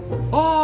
あ！